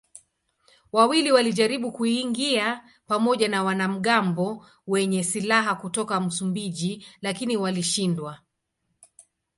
Wawili walijaribu kuingia pamoja na wanamgambo wenye silaha kutoka Msumbiji lakini walishindwa.